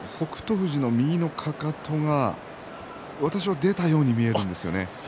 富士の右のかかとが私は出たように見えるんですよね。